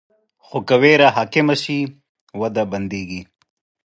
خو که ویره حاکمه شي، وده بندېږي.